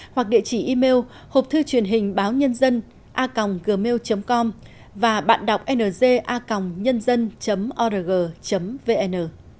hoặc địa chỉ email hộpthư truyền hình báo nhân dân a gmail com và bạn đọc ngacongnhân dân org vn